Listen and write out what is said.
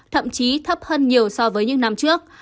thậm chí thấp hơn nhiều so với những năm trước